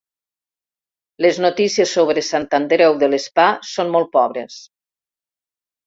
Les notícies sobre Sant Andreu de l'Espà són molt pobres.